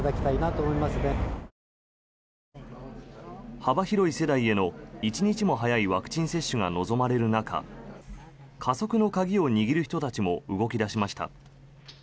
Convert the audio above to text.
幅広い世代への一日も早いワクチン接種が望まれる中加速の鍵を握る人たちも動き出しました。